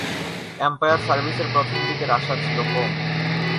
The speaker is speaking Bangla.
এম্পায়ার সার্ভিসের প্রথম দিকের আশা ছিল কম।